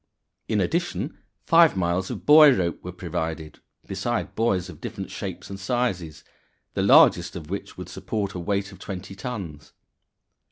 In addition, five miles of buoy rope were provided, besides buoys of different shapes and sizes, the largest of which (Fig. 38) would support a weight of twenty tons.